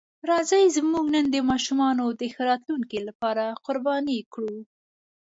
راځئ زموږ نن د ماشومانو د ښه راتلونکي لپاره قرباني کړو.